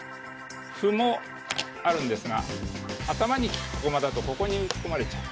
歩もあるんですが頭に利く駒だとここに打ち込まれちゃう。